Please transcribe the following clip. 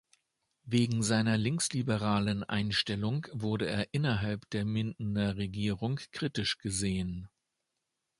Wegen seiner linksliberalen Einstellung wurde er innerhalb der Mindener Regierung kritisch gesehen.